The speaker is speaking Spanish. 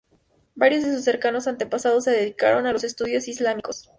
Varios de sus cercanos antepasados se dedicaron a los estudios islámicos.